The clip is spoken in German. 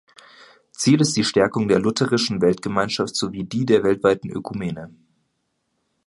Ziel ist die Stärkung der lutherischen Weltgemeinschaft sowie die der weltweiten Ökumene.